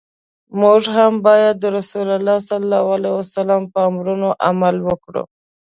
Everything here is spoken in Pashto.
موږ هم باید د رسول الله ص په امرونو عمل وکړو.